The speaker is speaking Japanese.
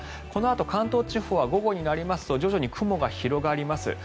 このあと関東地方は午後になりますと徐々に雲が広がります。